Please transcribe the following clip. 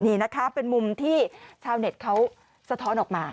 นี่นะคะเป็นมุมที่ชาวเน็ตเขาสะท้อนออกมา